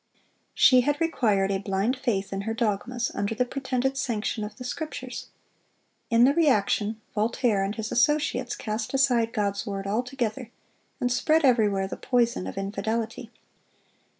She had required a blind faith in her dogmas, under the pretended sanction of the Scriptures. In the reaction, Voltaire and his associates cast aside God's word altogether, and spread everywhere the poison of infidelity.